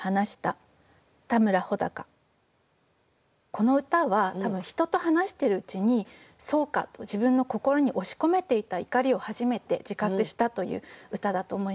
この歌は人と話してるうちに「そうか、」と自分の心に押し込めていた怒りを初めて自覚したという歌だと思います。